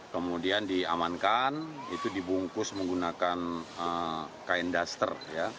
kemudian diamankan itu dibungkus menggunakan kain duster